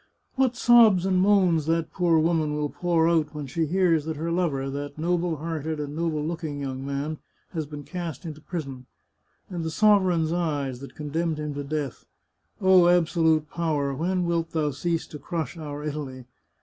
" What sobs and moans that poor woman will pour out when she hears that her lover — that noble hearted and noble looking young man — has been cast into prison! And the sovereign's eyes, that condemned him to death. Oh, absolute power, when wilt thou cease to crush our Italy